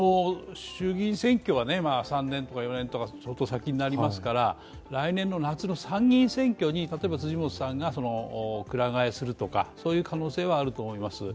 衆議院選挙は３年とか４年とか相当先になりますから来年の夏の参議院選挙に、例えば辻元さんがくら替えするという可能性はあると思います。